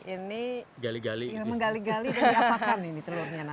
ini menggali gali dan diapakan ini telurnya